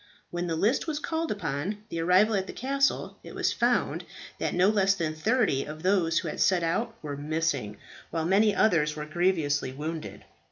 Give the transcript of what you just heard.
When the list was called upon the arrival at the castle, it was found that no less than thirty of those who had set out were missing, while many others were grievously wounded.